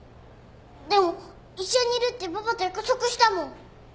でも一緒にいるってパパと約束したもん。